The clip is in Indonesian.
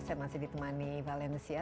saya masih ditemani valencia